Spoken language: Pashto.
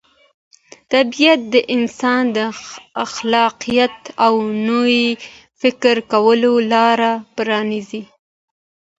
طبیعت د انسان د خلاقیت او نوي فکر کولو لاره پرانیزي.